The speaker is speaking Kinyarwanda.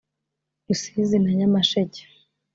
Rusizi na Nyamasheke